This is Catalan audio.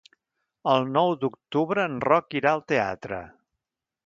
El nou d'octubre en Roc irà al teatre.